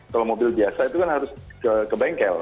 kalau mobil biasa itu kan harus ke bengkel